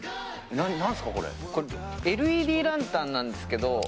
ＬＥＤランタンなんですけど。